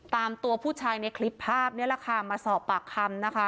ตามตัวผู้ชายในคลิปภาพนี้แหละค่ะมาสอบปากคำนะคะ